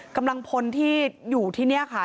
กำลังพลที่อยู่ที่นี่ค่ะ